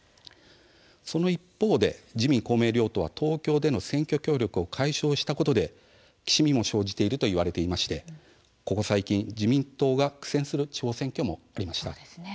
その一方で自民公明両党は東京での選挙協力を解消したことできしみも生じていると言われていましてここ最近、自民党が苦戦する地方選挙もありました。